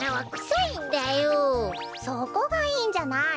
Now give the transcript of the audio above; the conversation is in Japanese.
そこがいいんじゃない！